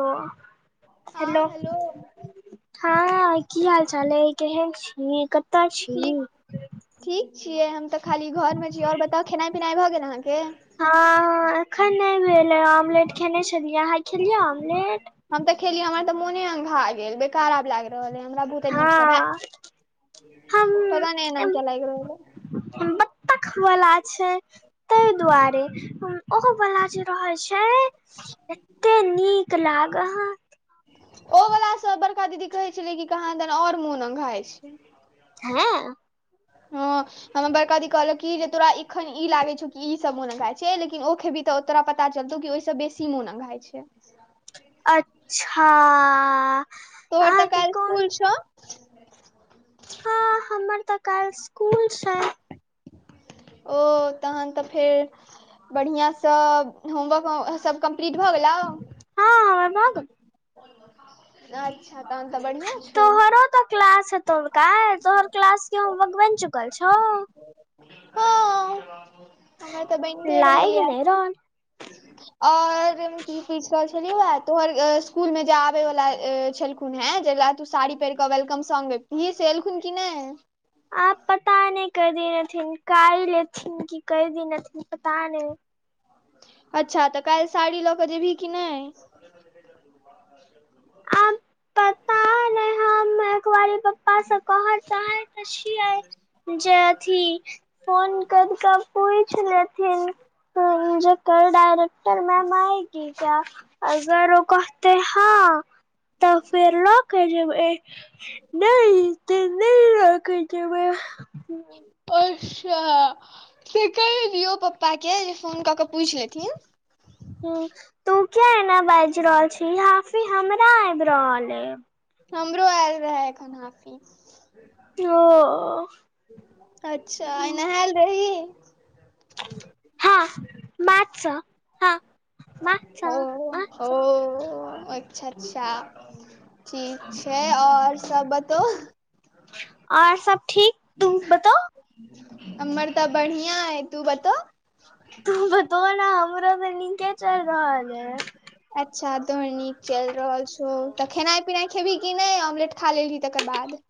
Hello, hello हँ। की हालचाल अइ। केहन छी? कतऽ छी? ठीक ठीक छियै हम तऽ खाली घरमे छी और बताउ खेनाइ पिनाइ भऽ गेल अहाँके। हँ हँ एखन नहि भेल हे ऑमलेट खेने छलियए अहाँ खेलियै ऑमलेट। हम तऽ खेलिय हमर तऽ मोने अघा गेल बेकार आब लागि रहल है हमरा। अजीब सा भा हँ हम पता नहि एना क्या लागि रहलअय। बत्तख। ख वला छै तय दुआरे ओ वला जे रहै छै। एते नीक लागत। ओ वला सऽ बड़का दीदी कहै छलै कि कहाँ दन और मोन अघाइ छै। हँ। हँ। हमा बड़कादी कहलक कि जे तोरा एखन ई लागे छौ कि ई सब मोन अघाय छै लेकिन ओ खेबी तऽ तोरा पता चलतौ की ओहिस बेसी ममोन अघाइ छै। अच्छा तोहर तऽ अहाँके काल्हि कोन स्कुल छौ हँ हमर तऽ काल्हि इसकुल छै। ओ तहन तऽ फेर बढ़िआँसँ होमवर्क ओ सब कम्प्लीट भऽ गेलउ। हँ हमर भ गेल। ओ। अच्छा तहन तऽ बढ़िया छौ। तोरो त क्लास हेतउ काइल तोहर क्लास के होमवर्क बनि चुकल छौ। ओ हमर तऽ बनिले लाइग रहैया। नहि रहल और की पुइछ रहल छलीयो या तोहर। इसकुल मे जे आबे वाला छलखुन हैं जय ला तू साड़ी पहिर कऽ वेलकम सॉन्ग गैवतही से एलखुन की नहि। आब पता नहि कई दिन एथिन कायल एथिन कि कई दिन एथिन पता नहि। अच्छा तऽ काइल साड़ी लऽ क जेभी की नहि। अब प एक बारी पप्पा से कहऽ चाहय छीये जे अथी फोन कर कऽ पुइछ लेथिन जे कल डायरेक्टर मैम आयेगी क्या। अगर ओ कहते हँ तऽ फेर ल के जेबय। नइ तऽ नइ लऽ कऽ जेबय। अच्छा से कही दीयो पप्पा के जे फोन कऽ के पूछि लेथिन। हू तू किया एना बाजि रहल छी हाफि हमरा आबि रहल अइ। हमरो आयल रहै अखन हाफी। ओ। अच्छा आइ नहाल रही। हँ माथ सऽ, हँ। माछ ओ ओ माछ अच्छा अच्छा। ठीक छै और सब बतो। आओर सब ठीक तुम बताओ। हम्मर तऽ बढ़िआँ अय तू बतो। तू बतो ने हमरो त नीके चैल रहल अय। अच्छा तोहर नीक चैइल रहल छौ तऽ खेनाइ पिनाइ खेबही की नइ ऑमलेट खा लेलही तकर बाद।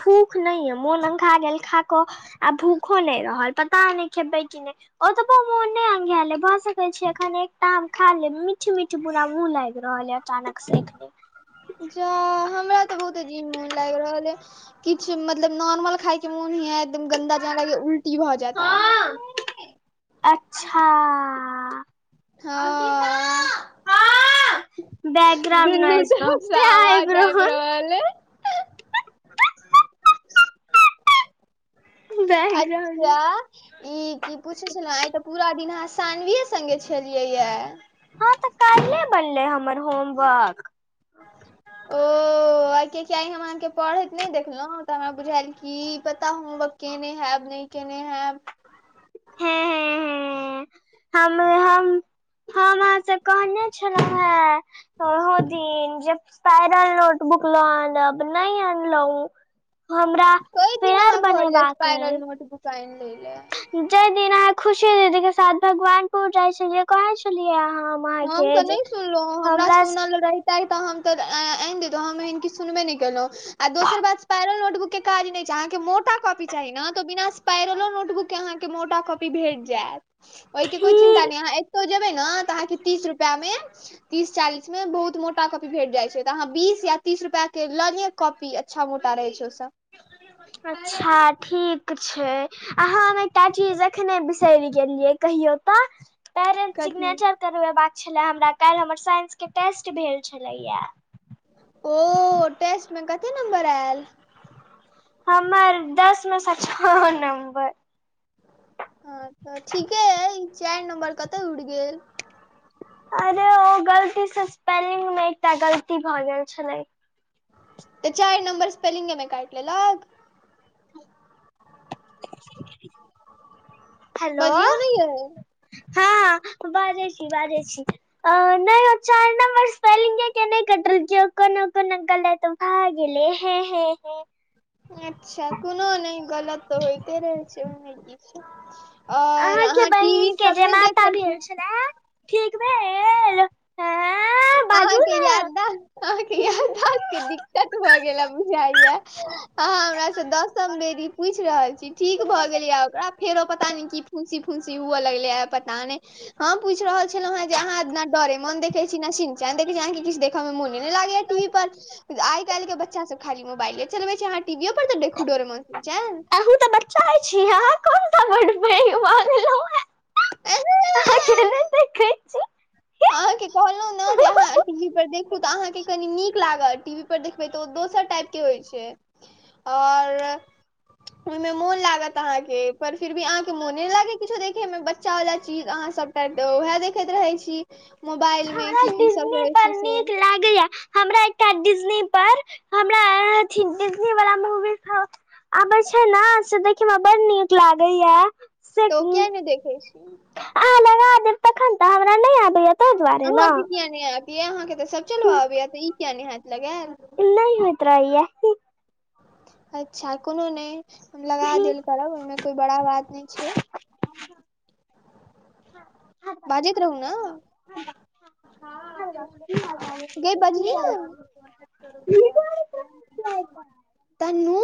भूख नइ यऽ मोन अंघा गेल खा कऽ आ भूखो नइ रहल पता नइ खेबैय की नइ। ओतबो मोन नइ अंघाएल अय भऽ स अबैय छी अखन एकटा आम खा लेब, मीठ मीठ पुरा मुँह लागि रहल ए अचानक से अखने। जा हमरा तऽ बहुत अजीब मोन लागि रहल ए। किछु मतलब नॉर्मल खाय के मोन हैत एकदम गन्दा जना लगैय उल्टी भऽ जाएत आब। अच्छा हँ बैकग्राउंड नाइस औतैय आइ ब्रन। अले बैकग्राउंड अच्छा ई की पूछैय छलहुँ आइ तऽ पूरा दिन अहाँ सानविए सङ्गे छलियै यऽ। हँ तऽ कैल्हे बनलै हम्मर होमवर्क। ओ आइ कियाकी हम अहाँके पढ़ैत नहि देखलहुँ तऽ हमरा बुझालए कि पता होमवर्क केने हैब नइ केने हैब। हुँ हुँ हुँ हम हाय हम। हम अहाँ से कहने छलहुँ हेँ ओहो दिन जे पायरल नोटबुक लऽ आनब नइ अनलौं। हमरा फेयर बनेबाक ऐय। फाइन लैय ले। जैय दिन अहाँ खुशी दीदी के साथ भगवानपुर जाइ छलियै कहै छलियै यऽ हम हम अहाँके तऽ जे नहि सुनलौं हमरा सुनल रैह तै तऽ हम तऽ अ-अ-अ आइन दैतौं हम एहन किछु सुनबे नहि केलहुँ। आ दोसर बात स्पायरल नोटबुक के काज नहि छैय अहाँके मोटा कॉपी चाही नऽ तऽ बिना पायरलो नोटबुक के अहाँके मोटा कॉपी भेट जाएत। ओहिके कोय चिन्ता फी नइ अहाँ एत्तौ जेबैइ ने तऽ अहाँके तीस रुपैआ में तीस चालीस में बहुत मोटा कॉपी भेट जाइ छैय तऽ अहाँ बीस या तीस रुपआ के लऽ लिय कॉपी अच्छा मोटा रहैय छैय ओ सब। अच्छा ठीक। किछ छैय आ हम एकटा चीज एखने बिसरि गेलियै कहियौ तऽ। पैरेंट कथी सिग्नेचर करवेबाक छले हमरा काल्हि हमर साइंस के टेस्ट भेल छलैया। ओ टेस्ट में कते नम्बर आएल। हमर दस में सँ छह नम्बर। हँ तऽ ठीके अइ ई चारि नम्बर कत उड़ि गेल। अरे ओ गलती सँ स्पेलिंग में एकटा गलती भऽ गेल छलैय। तऽ चारि नंबर स्पेेलिंगे में काइट लेलक। हेलो। बजियौ ने यै हँ बाजैय छी बाजैय छी। ओ नइ ओ चारि नम्बर स्पेलिंगे के नइ कटल क्यो, कोनो कोनो गलत आय गेले हे हे हे। अच्छा कोनो नहि गलत तऽ होइते रहै छै, ओ मे किछ अहाँके बहिनक के जे नहि माता देखै भेल छी छले ठीक भेल आँ बाजू अहाँके ने यादआस्त अहाँके यादआस्त के त भऽ गेला बुझाइया, अहाँ हमरा से दसम बेरी पूछि रहल छी ठीक भऽ गेले ह, ओकरा फेरो पता न की फूंसी फूंसी हुए लगले ह पता नहि। ह पूछि रहल छलौ हे जे अहाँ एना डोरे मोन देख देखै न देखै [unintelligible] अाँ किु देख हमे मोनी नहि लागे टीवी पर आइ काल्हि के बच्चा सब खाली मोबाइले चलबे छै। अहाँ टीवी पर त देखू डोरेमोन। अहू त बच्चाए छी अहा कोन सा बड़ पइघ भ गेलउ है। अहा के नइ देखइ छि? अहाँ कि कहलहु ने के अहां टीवी पर देखू तऽ अहाँके कनी नीक लागत, टीवी पर देखबै तऽ ओ दोसर टाइप के होइ छै। और ओहिमे मोन लागत अहाँके पर फिर भी अहाँके मोने नहि लागत किछो देखे मे बच्चा वाला चीज अहाँ के सब त उएह देखैत रहै छी, मोबाइल मे हमरा की की सब डिज्नी रहै पर छै से नीक हमरा एकटा डिजनी पर हमरा अथी वाला डिजनी पर आबै छै ने से देखय मेरा बड़ नीक लागे या तो क्य नहि देखै छी आ लग दे तखन तऽ हमरा नहि आबैय अहाँके किया नहि आत ये अहाँके तऽ सब चलो आबय तऽ ई किया नहि हयत लगायल इ नहि होैत रहअये या। अच्छा कोनो नहि हम लगा देल करब ओहिमे कोई बड़ा बात नहि छै। बाजैत रहू न। क क [unintelligible] ह की कह छै क कह तनू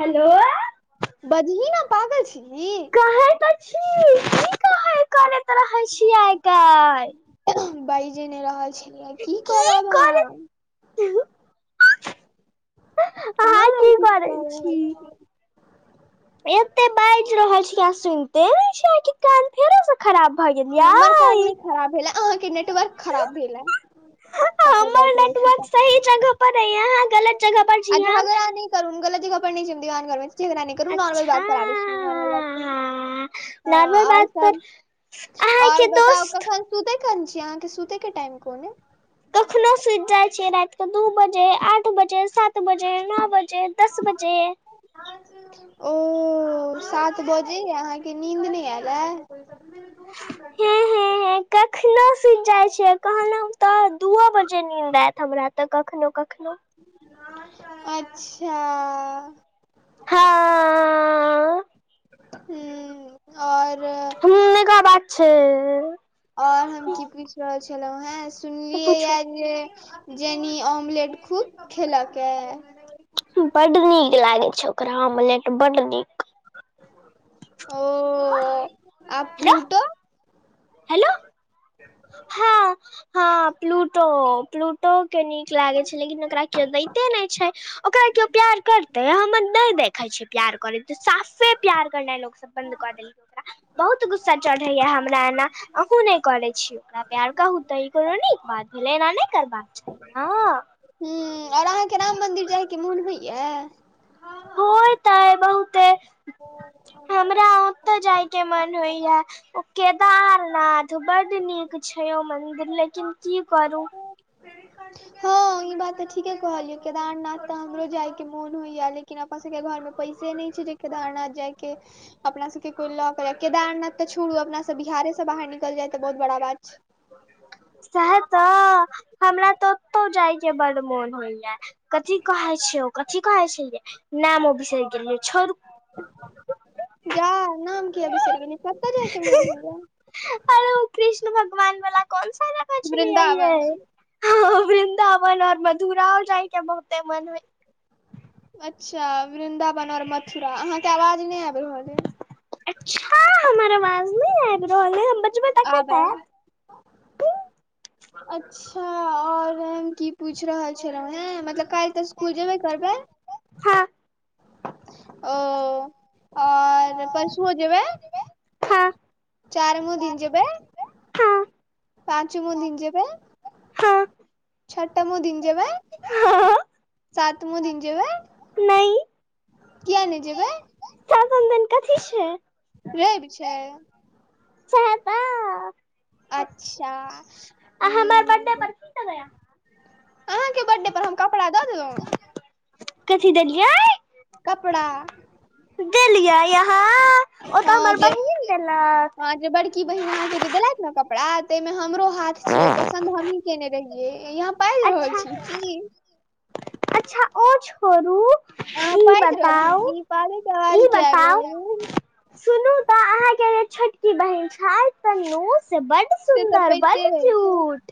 हेलो। बजही ना पागल छीही? कि कह है कने त रह है छी आइ कल? बाज नहि रहल छलियै की कर रहल अहाँ? कहाँ अहाँ की कर करै छी। रहल [unintelligible] छी एते बाजि रहल छी अहां सुनिते नै छी?? फेरो से खराब भऽ गेल। हमर कान यै। नहि खराब भेल ह, अहाँके नेटवर्क खराब भेल हे। हमर नेटवर्क सही नहि जगह पर हैय, अहां गलत जगह पर आ छी ह। झगड़ा नहि करू गलत [unintelligible] खबर नहि जिम दहन करबै झगड़ा नहीं करू, नोर्मल अच्छा बात प आवे छै नॉर्मल बात पर, ह नॉर्मल बात आओर पर सब आओर अहाँके बताउ दोस्त कखन सुते कन छी अहाँके सुते के टाइम कोन हे? कखनो सुति जाय छी रात के दू बजे, आठ बजे, सात बजे नओ, बजे दस बजे ओ सात बजे अहाँके नींद नहि आयल ह? ठीक हे छै [unintelligible] हे कखनो सुति जाइ छिय कहलहु तऽ दूओ बजे नींद आयत हमरा तऽ कखनो कखनो अच्छा हँ ह्म्म और तनेगा बात छै ओर हम की पूछि रहल छलौ हे सुनलियै पूछू यै जे जेनी ऑमलेट खूब खेलके बड नीक लागे छै ओकरा आमलेट बड नीक ओ आ हेलो फ्रूटों हेलो हँ हँ प्लूटो प्लू पो के नीक लागे छै लेकिन ओकरा केयो दैते नहि छै ओकरा केयो प्यार करते हमर नैय देखे छै प्यार करैत साफे प्यार करनाइ लोग सब बंद कऽ देल बहुत गुस्सा चढ़ैया हमरा एना अहुँ नहि करे छी ओकरा प्यार कहू तऽ ई कोनो नीक बात भेलै एना नहि करबाक चाही न हू और अहाँके राम मन्दिर जायके मोन होइया होय तऽ अय बहुते हमरा ओतऽ जाय के मन होइया ओ केदारनाथ बड्ड नीक छै ओ मन्दिर लेकिन की करू हँ ई बात तऽ ठीके कहलियौ केदारनाथ तऽ हमरो जाय के मोन होइया लेकिन अपन सबके घर मे पईसा नहि छै जे केदारनाथ जायके अपना सबके कोइ लऽ क केदारनाथ तऽ छोडूं अपना सब बिहारे से बाहर निकल जाय तऽ बहुत बड़ा बात छै सेह तऽ हमरा तऽ ओतौ। जाय के बडु मोन होइया। कथी कहै छै। कथी कहै छैे। नामो बिसरि गेलियै छोड़। जा नाम किये बिसर गेलियै। कतऽ जायके मोन होइया अरे ओ कृष्ण भगवान वला कोन सा लागल छैलै ये वृन्दावन यै ह वृन्दावन और मधुरा जाइके बहुतेै मन हो अच्छा वृन्दावन आर मथुरा अहाँके आवाज नहि आबि रहल यै। अच्छा हमर आवाज नहि आय। आब ऐल अच्छा आर हम की पूछ रहल छै। मतलब काइल तऽ आयत स्कुल जेबे करबै। हँ। ओ आर परशुऔ जेबै। हँ चारिमो दिन जेब। हँ पांचमो दिन जेबै। हँ। छटमो दिन जेबै। हँ। सातमो दिन जेबै। कियै नहि जेबै। सातम दिन कथि छैय। रेइब छै। सैह तऽ अच्छा ह। ऊ ऊ बया। [unintelligible] अहाँके बर्थडे पर हम कपड़ा द दैलौ कथी देलियै। कपड़ा। दैलियै यहाँ ओतऽ हमर बहीन लेलक। कि बहिन अहा जे देलैथ न कपड़ा तैय में हमरो हाथ छैय ओ पसंद हमहि केने रहिये एई हम बाजि रहल अच्छा छी की? अच्छा ओ छोड़ू। अहाँ ई बाजि रहल छिअइ बताउ की? बाजै आवाज ई की आबि बताउ रहल ऐ। सुनू त अहाँके जे छोटकी बहिन छथि तन्नू से बड्ड से तऽ सुन्दर पाइते बड्ड रहै छथि क्यूट।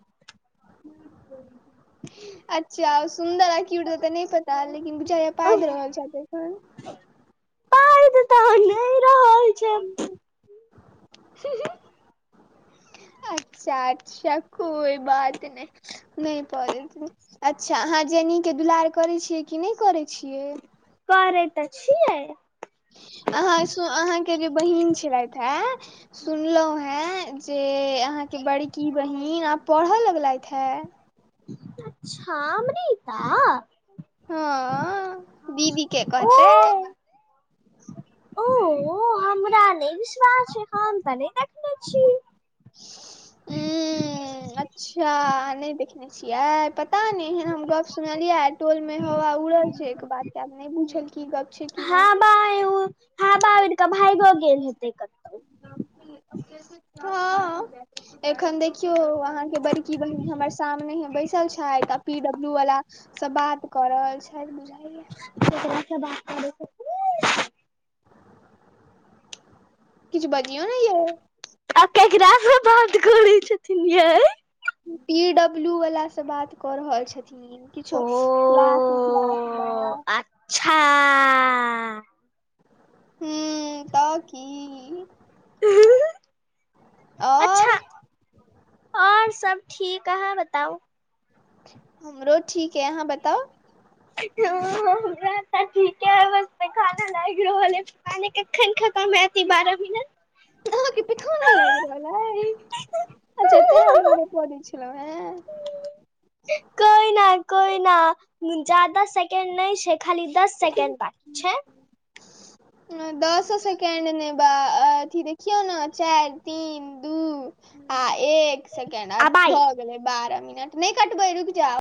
[inaudible] अच्छा ओ सुंन्दर आ क्यूट द त नै पता लेकिन बुझाइया पाजि रहल छथि एखन आओर बता नै रहल छै। ह। अच्छा-अच्छा कोइ बात नै। नहि पढै छथिन। अच्छा अहाँ जेनीके दुलार करै छियै कि नै करै छियै। करै त छिअइ। अहाँ सु अहाँके जे बहीन छलथि हे। सुनलहु हें जे अहाँके बड़की बहिन आब पढ़ लगलथि हे। अच्छा अमरीता। हँ दीदी के ओ कहतै। ओ, हमरा नै विश्वास ऐ, हम त नै देखने छी। उं अच्छा, अहाँ नै देखने छियै, पता नै एहेन हम। गप्प सुनलियैया आइ, टोलमे हवा उड़ल छै एक बात के। आब नै बुझल की गप छै की नै छै। हावा उड़िक भाइगो गेल हेतै कतौ। [inaudible] हं। एखन देखियौ अहाँ के बड़की बहिन हमर सामने हे बैसल छथि आ पी डब्लू बला सं बात क रहल छथि। [unintelligible] किछ बजिऔ ने यै। आब केकरा स बात करै छथिन यै। पी डब्ल्यू बला स बात क रहल छथि। ओ किछो किलास तिलास ले। छा हूं त की? [unintelligible] और अच्छा। और सब ठीक अहाँ बताउ? हमरो ठीक ऐ अहाँ बताउ? हं हं हमरा त ठीके ऐ, बस पैखाना लागि रहल अछि। पता नै केखन खतम हैत ई बारह मिनट? अहाँके पेखाना लागि रहल अछि? अच्छा तें दुआरे पदै छलहु हें? कोइ ना कोइ ना, जादा सेकंड नै छै, खाली दस सेकेंड बांकी छै। दसो सेकेंड नै ब अ अथी देखियौ न चारि तीन दू आ एक। सेकेंड आ आब आइ भ गेलै बारह मिनट, नै कटबै रुकि जाउ।